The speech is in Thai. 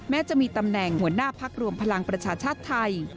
จะมีตำแหน่งหัวหน้าพักรวมพลังประชาชาติไทย